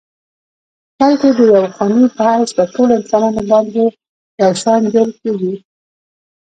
بلکه د یوه قانون په حیث پر ټولو انسانانو باندي یو شان جاري کیږي.